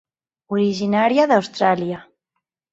Originària d'Austràlia.